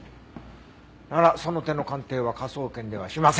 ならその手の鑑定は科捜研ではしません。